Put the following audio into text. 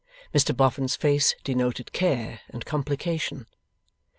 Mr Boffin's face denoted Care and Complication.